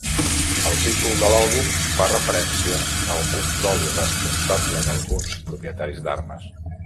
El títol de l'àlbum fa referència al control irresponsable d'alguns propietaris d'armes.